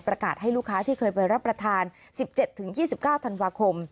ให้ลูกค้าที่เคยไปรับประทาน๑๗๒๙ธันวาคม